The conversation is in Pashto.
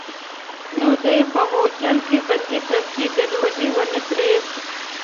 نو دی یې په غوجل کې بندي کړ چې ګډوډي ونه کړي.